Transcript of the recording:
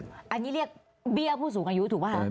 อันนี้เรียกเบี้ยผู้สูงอายุถูกป่ะคะ